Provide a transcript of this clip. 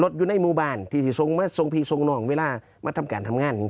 รถอยู่ในมุมบาลที่ส่งมาส่งพี่ส่งน้องเวลามาทำการทำงานอย่าง